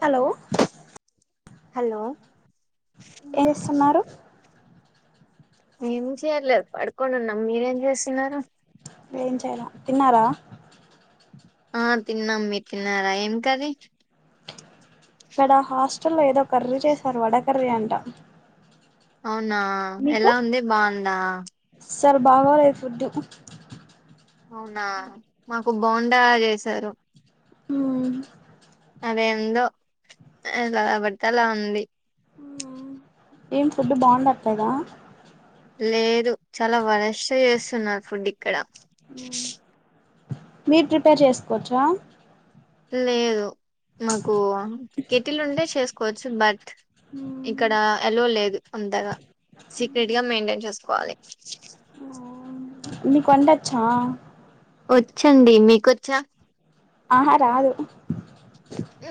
Hello hello ఏమ్ చేస్తున్నారు ఎమ్ చేయట్లేదు పడుకొని ఉన్నం మీరేం చేస్త చిన్నారు ఏం చేయలే తిన్నారా ఆ తిన్నాం మీరు తిన్నారా ఏం కరీ ఇక్కడ హాస్టల్లో ఏదో కర్రి చేశారు వాడ కర్రి అంటా అవునా ఎలా ఉంది బావుందా అస్సల్ బాగోలేదు ఫుడు అవునా మాకు బోండా చేసారు హు అదేందో ఎలా బట్టలా ఉంది ఏం ఫుడ్ బావుండట్లేదా లేదు చాలా వారెస్టు చేస్తున్నారు ఫుడ్ ఇక్కడ మీర్ ప్రిపేర్ చేసుకోవచ్చా లేదు మాకు కేటిల్ ఉంటే చేసుకోవచ్చు బట్ ఇక్కడ ఎలో లేదు అంతగా సీక్రెట్గా మెయింటైన్ చేసుకోవాలి మీకు వండచ్చా వచ్చండి మీకు ఒచ్చా ఆహా రాదు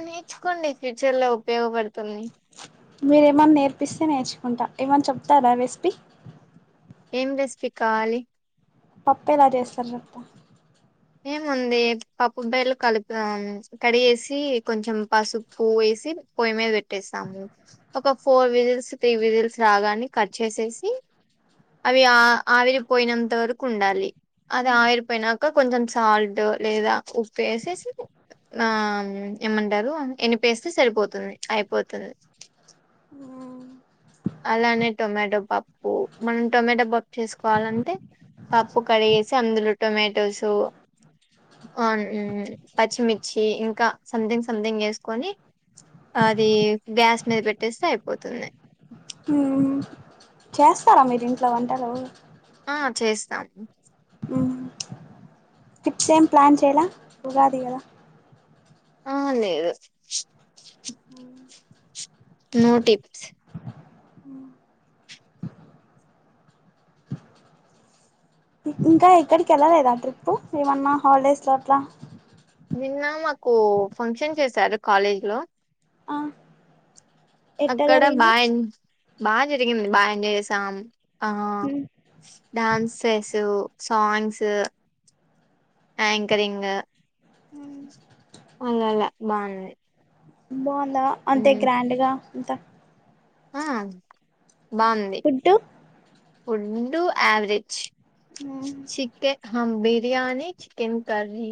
మీ చ్చుకోండి ఫ్యూచర్ లో ఉపయోగపడుతుంది మీరేమన్న నేర్పిస్తే నేర్చుకుంటా ఏమన్న చెప్తారా రెసిపీ ఏం రెసిపీ కావలి పప్పు ఎలా చేస్తారు చెప్త ఏముంది పప్పు బెల్ కలిపి ఆమ్ కడిగేసి కొంచం పసుపు వేసి పొయ్యి మీద పెట్టేస్తాము ఒక ఫోర్ విజిల్స్ త్రీ విజిల్స్ రాగానే కట్ చేసేసి అవి ఆ ఆవిరిపోయినంత వరకు ఉండాలి అది ఆవిరిపోయినాక కొంచం సాల్ట్ లేదా ఉప్పు వేసేసి ఆ ఏమంటారు ఎనిపేస్తే సరిపోత్ తుంది అయిపోతుంది అలానే టొమాటో పప్ ఓ మనం టొమాటో పప్ చేసుకోవాలంటే పప్పు కడిగేసి అందులో టొమాటోస్ ఆ మ్ పచ్చిమిర్చి ఇంకా సంథింగ్ సంథింగ్ ఏసుకొని అది గ్యాస్ మీద పెట్టేస్తే అయిపోతుంది హు చేస్తారా మీరు ఇంట్లో వంటలు ఆ చేస్తాం మ్మ్ ట్రిప్స్ ఏం ప్లాన్ చేయలే ఉగాది కదా ఆ లేదు నోటిప్స్ ఉ ఇంకా ఎక్కడికేళ్ళలేదా ట్రిప్పు ఏమన్నా హాలిడేస్ లో అట్లా నిన్న మాకు ఫంక్షన్ చేశారు కాలేజ్ లో ఆ ఎట్ట అక్కడ జరిగింది బాయిన్ బాగా జరిగింది బాయి జయ్ చేసాం ఆ డ్యాన్స్ సేస్ సాంగ్స్ యాంకరింగ్ ఇంగల బాగుంది మోనా ఇ అంతే మ్ గ్రాండ్ గా ఉంటా ఆ బాగుంది ఫుడ్డు ఉండు యావరేజ్ చికెన్ ఆ biryani chicken curry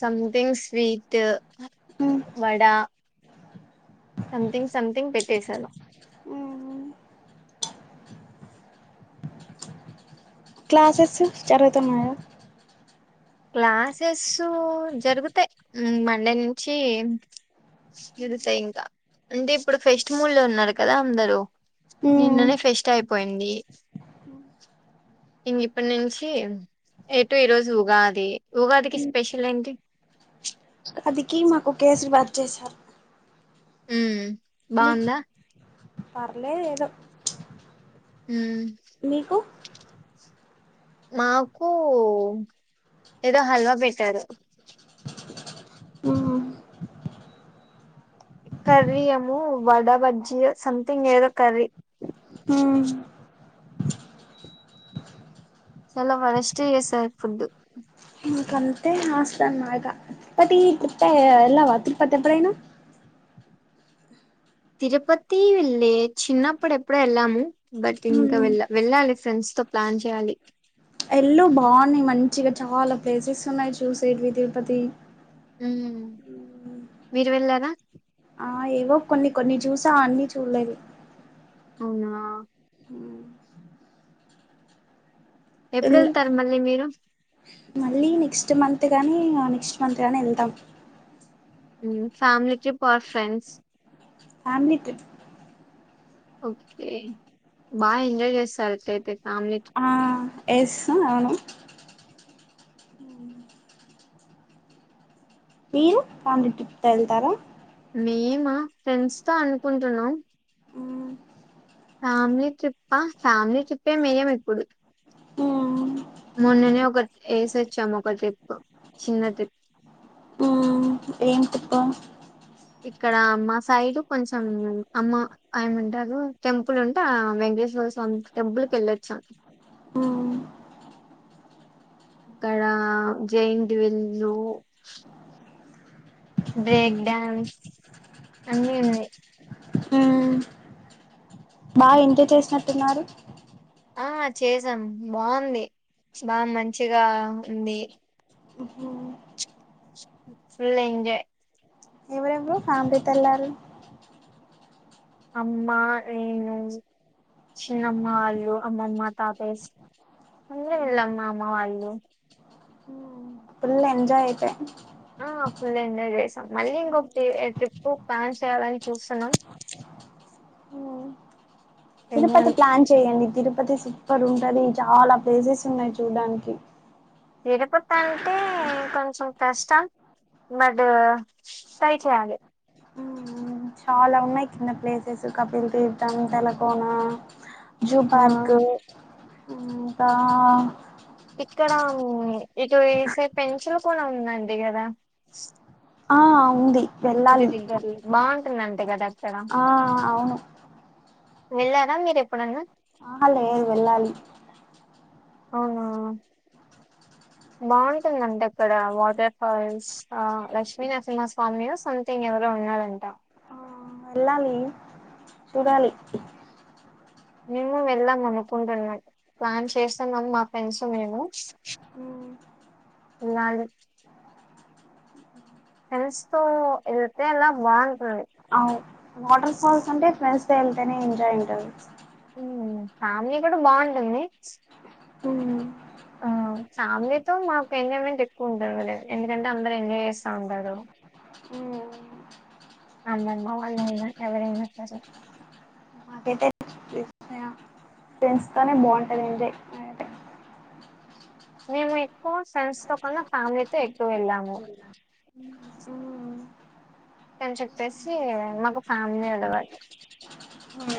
something sweet vada something something పెట్టేశారు క్లాసెస్ జరుగుతున్నాయ క్లాసెస్ జరుగుతాయి మండే నుంచి జరుగుతాయి ఇంకా అంటే ఇప్పుడు ఫెస్ట్ మూల్ లో ఉన్నారు కదా అందరుూ నిన్ననే ఫెస్ట్ అయిపోయింది ఇంగ ఇప్పటి నుంచి ఎ టటు ఈ రోజు ఉఊగా ది ఉగాది కి స్పెషల్ ఎంటి అదికి మాకు కేసిర్ బాద్ చేశారు మ్మ్ బాగుందా పర్లే ఏదో మ్మ్ మీకు మాకు ఏదో హల్వా పెట్టారు మ్మ్ కర్రీ ఏమో వడా బజ్జీ సథింగ్ ఏదో కర్రీ ఉమ్ చాలా వరెస్ట్ గా చేసారు ఫుడ్ క అంతే ఇంగ హాస్టల్ అనమాట తే ఎల్లావా తిరుపతి ఎప్పుడైనా తిరుపతి ఇల్ ఏ చిన్నప్పుడు ఎప్పుడే వెళ్ళాము బట్ ఇంకా మ్మ్ వెళ్ వెళ్ళాలి ఫ్రెండ్స్ తో ప్లాన్ చేయాలి ఎల్లు చూసేకి తిరుపతి మ్మ్ మీరు వెళ్ళారా ఆ ఏవో కొన్ని కొన్ని చూసా అన్ని చూడలేదు అవునా ఎప్పుడు వెళ్తారు మళ్ళీ మీరు మళ్ళీ నెక్స్ట్ మంత్ అంతేగాని ఆ నెక్స్ట్ మంత్ గాని వెళ్తాం మ్మ్ ఫ్యామిలీ ట్రిప్ ఆ ఫ్రెండ్స్ ఫ్యామిలీ ట్రిప్ ఓకే బా ఎంజాయ్ చేసారు అట్టయితే ఆ ఎస్ అవును ఊమ్ మీరు ఫ్యామిలీ ట్రిప్ తో వెళ్తారా మేమా ఫ్రెండ్స్ స్తా అనుకుంటున్నాం మ్మ్ ఫ్యామిలీ ట్రిప్ప ఫ్యామిలీ ట్రిప్ ఏం వెయ్యం ఇప్పుడు ఉమ్ మొన్ననే ఒక ఏసొచ్చాము ఒక ట్రిప్పు చిన్న ట్రిప్ మ్మ్ ఏం ట్రిప్పు ఇక్కడ మా సైడు కొంచెం అమ్మ అయమంటారు టెంపుల్ ఉంటే ఆ వెంకటేశ్వర స్వామి టెంపుల్ కెళ్ళొచ్చా మ్మ్ అక్కడ జయింట్విల్ బ్రేక్ డాన్స్ అన్ని ఉన్నాయి మ్మ్ బాగా ఎంజాయ్ చేసినట్టున్నారు ఆ చేసాం బాగుంది బా మంచిగా ఉంది ఓ హో ఫుల్ ఎంజాయ్ ఎవరెవరు ఫ్యామిలీతో వెళ్లారు అమ్మ నేను చిన్నమ్మ వాళ్ళు అమ్మమ్మ తాతయ్యా అందరూ వెళ్లాం మా అమ్మ వాళ్ళు ఫుల్ ఎంజాయ్ అయితే ఆ ఫుల్ ఎంజాయ్ చేశాం మళ్ళీ ఇంకొకటి ట్రిప్పు ప్లాన్ చేయాలని చూస్తున్నాం తిరుపతి చెయ్యాలి ప్లాన్ చెయ్యండి తిరుపతి సూపర్ ఉంటది చాలా ప్లేసెస్ ఉన్నాయి చూడ్డానికి తిరుపతి అంటే కొంచెం కష్టం బట్ ట్రై చేయాలి చాలా ఉన్నాయి కింద ప్లేసెస్ కపిలతీర్థం తలకోన జూ ఆ పార్కు ఇంకా ఇక్కడ ఇటు వేసే పెన్సిల్స్ కూడా ఉంది అంటి కదా ఆ ఉంది తిరుపతి వెళ్ళాలి దగ్గరలో బాగుంటుందంట కదా అక్కడ ఆ అవును వెళ్ళారా మీరు ఎప్పుడన్నా ఆహా లేదు వెళ్ళాలి అవునా బావుంటుంది అంట అక్కడ వాటర్ ఆ లక్ష్మీనరసింహస్వామియో సమ్థింగ్ ఎవరో ఉన్నారంట ఆ వెళ్ళాలి చూడాలి మేము వెళ్ళాం అనుకుంటున్నాం. ప్లాన్ చేస్తన్నాము మా ఫ్రెండ్స్ మేము ఉమ్ వెళ్ళాలి. ఫ్రెండ్స్ తో ఎలితేన బాగుంటుంది. ఔ వాటర్ ఫాల్స్ అంటే ఫ్రెండ్స్తో వెళ్తేనే ఎంజాయ్ ఉంటది మ్మ్ ఫ్యామిలీ కూడా బాగుంటుంది. ఆ ఫ్యామిలీతో మాకు ఎంజాయ్మెంట్ ఎక్కువ ఉంటది కద. ఎందుకంటే అందరు ఎంజాయ్ చేస్తాం కదా. వాళ్ళ అమ్మ వాళ్ళు అయిన ఎవ్వరైన సరే నాకైతే ఫ్రెండ్స్ తోనే బాగుంటది ఎంజాయ్ ఎ మిమేక్ హ్ ఫ్రెండ్స్ తో కన్నా ఫ్యామిలీతో ఎక్కువ వెల్లాము. ఫ్రెండ్షిప్ చేసి మాకు ఫ్యామిలీ అలవాటు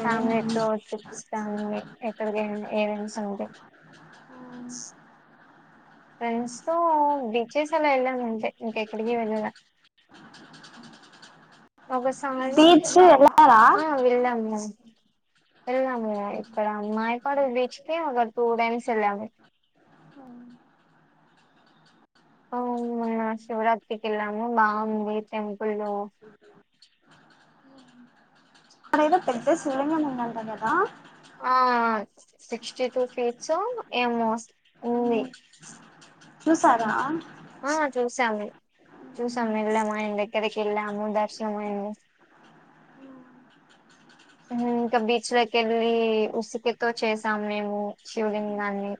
ఫ్యామిలీతో ట్రిప్స్ కాని ఎక్కడికెని ఏమైంది సంగతి ఫ్రెండ్స్ తొ బీచెస్ అలా వెళ్ళాము. అంతే ఇంకెక్కడికి వెళ్ళలా ఒకసారి బీచ్ వెళ్ళారా హా వెళ్ళాము వెళ్ళాము ఇక్కడ మాయకాడ్ బీచ్ అంతే ఒక టూ టైమ్స్ వెళ్ళాము. అవును మొన్న శివరాత్రికి వెళ్ళాము బాగుంది టెంపుల్లు అది ఏదో పెద్ద శివలింగం ఉందంట కదా. ఆ ఉ సిక్స్టీ ఎత్ ఫీట్ సో ఏమో వస్ ఉంది చూసారా చూసాను ఆ చూసాను చూసాం వెళ్ళాము. ఆయన దగ్గర కి వెళ్ళాము. దర్శనం అయింది. హ్మ్ ఇంకా బీచ్ లోకి వెళ్ళి ఇసకతో చేసాం మేము శివలింగాన్ని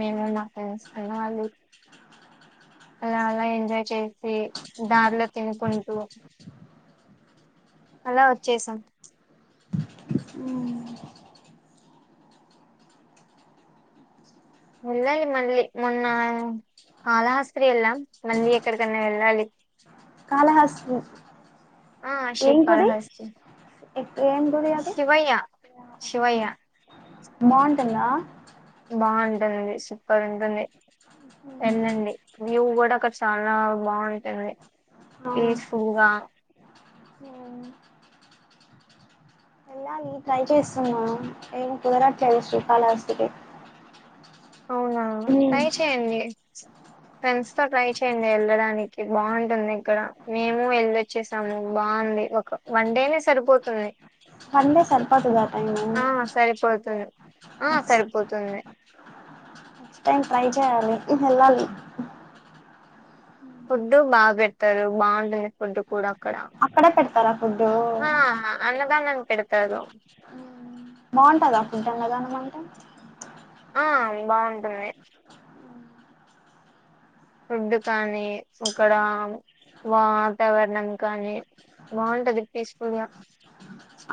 మేము నాకు ఫ్రెండ్స్ అయినవాళ్ అలా అలా ఎంజాయ్ చేసి దారిలో తినుకుంటూ అలా ఒచ్చేసాం వెళ్లాలి మళ్ళి మొన్న కాళహాస్త్రీ వెళ్ళాం. మళ్ళీ ఎక్కడికన్నా వెళ్ళాలి. కాళహస్తి ఆ శ్రీ ఏం గుడి కాళహాస్తి. ఏం గ్ శివయ్య శివయ్య బాగుంటుందా బాగుంటదండి శివ్ పర్ ఉంటుంది ఎళ్ళండి వ్యువ్ కూడా అక్కడ చాన ఆ బాగుంటది కేజ్ ఫువ్వా ని ట్రై చేస్తున్నా ఏం కుదరట్ లేదు శ్రీ కాలహస్తికి అవునా ఉమ్ ట్రై చేయండి ఫ్రెండ్స్ తో ట్రై చేయండి. వెళ్ళడానికి బాగుంటుంది. ఇక్కడ మేము వెల్లోచ్చేసాము. బాగుంది ఒక వన్ డేనే సరిపోతుంది. వన్ డే సరిపొతదా టైము ఆ సరిపోతుంది ఆ సరిపోతుంది నెక్స్ట్ టైమ్ ట్రై చేయాలి యెళ్ళాలి ఫుడ్డు బాగ్ బెడతారు బాగుంటుంది ఫుడ్డు కూడా అక్కడ అక్కడే పెడతారా ఫుడ్డు ఆ అన్నదానం పెడతారు బాగుంటదా ఫుడ్ అన్నదానం అంటే ఆ బాగుంటుంది ఫుడ్డు కానీ అక్కడ వాతావరణం కానీ బాగుంటది పీస్ఫుల్గా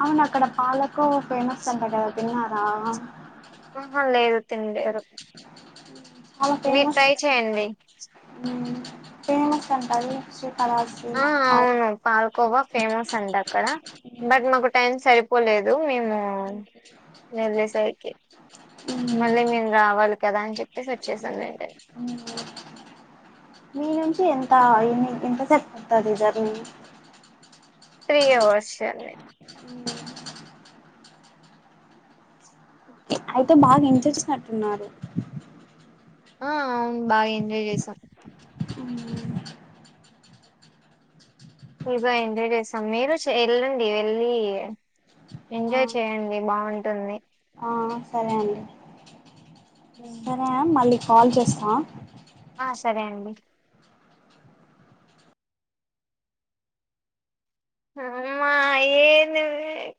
అవును అక్కడ పాలకోవ ఫేమస్ అంట కదా తిన్నారా ఆహా లేదు తిన్లే ఎర్ చాలా ఫేమస్ అంట గా ఉ ఫేమస్ అంట అది చుప్ కాలహస్తి అయి ఉంటది ఫండ్ అక్కడ బట్ మాకు టైం సరిపోలేదు మేము వెళ్ళే సరికి మళ్ళీ మేము రావాలి కదా అని చెప్పేస్ వచ్చేసాం వెంటనే ఇనుంచి ఎంత ఎన్ని ఎంత సేప్ పడతది జర్నీ త్రిఅవర్స్ అయితే బాగా ఇంటజేసినట్టున్నారు ఆ అవున్ బాగా ఎంజాయ్ జేసాం ఉ ఫ్రి బోయింగ్ ఎంజాయ్ చేసాం మీరు వెళ్ళండి వెళ్ళి ఎంజాయ్ ఆ చేయండి బాగుంటుంది ఆ సరే అండి ఉమ్. సరే గాన్ మళ్ళి చెస్ కాల్ చెస్తా ఆ సరే అండి అమ్మా ఏంది ఉ